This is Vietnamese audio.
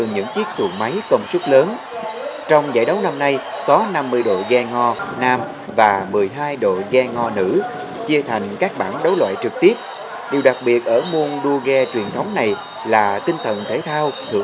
nhưng chỉ có khoảng năm mươi cho tới sáu mươi người trực tiếp lên ghe thi đấu